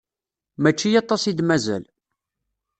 Mačči aṭas i d-mazal.